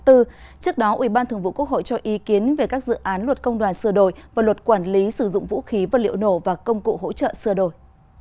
trước đó ubthb cho ý kiến về các dự án luật công đoàn sửa đổi và luật quản lý sử dụng vũ khí vật liệu nổ và công cụ hỗ trợ sửa đổi